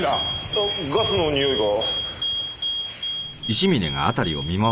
いやガスのにおいが。